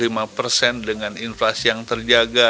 kita bisa tumbuh lima dengan inflasi yang terjaga